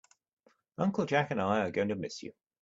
Uncle Jack and I are going to miss you.